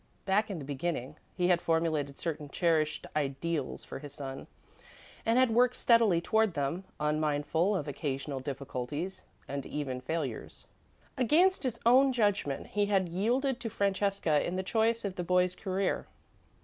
Back in the beginning, he had formulated certain cherished ideals for his son, and had worked steadily toward them, unmindful of occasional difficulties and even failures. Against his own judgment, he had yielded to Francesca in the choice of the boy's career.